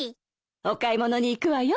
お買い物に行くわよ。